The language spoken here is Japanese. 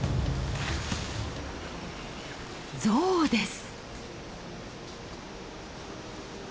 ゾウです。